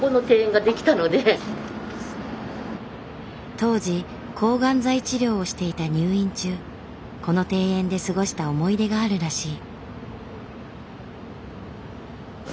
当時抗がん剤治療をしていた入院中この庭園で過ごした思い出があるらしい。